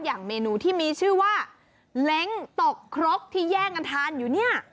อย่างเมนูที่มีชื่อว่าเล้งตกครกที่แย่งกันทานอยู่เนี่ย